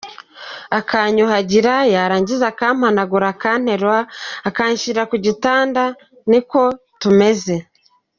Akanyuhagira yarangiza akampanagura akanterura akanshyira ku gitanda, niko tumeze.